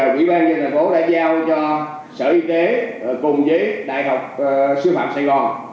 quỹ ban dân thành phố đã giao cho sở y tế cùng với đại học sư phạm sài gòn